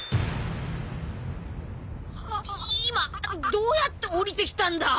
今どうやって降りてきたんだ！？